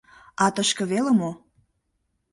А тышке веле мо?!